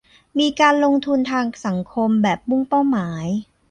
มีการลงทุนทางสังคมแบบมุ่งเป้าหมาย